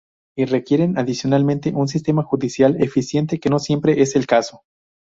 Y requieren adicionalmente un sistema judicial eficiente, que no siempre es el caso.